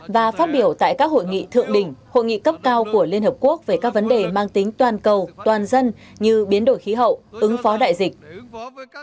và phát biểu tại các hội nghị thượng đỉnh hội nghị cấp cao của liên hợp quốc về các vấn đề mang tính toàn cầu toàn dân như biến đổi khí hậu ứng phó đại dịch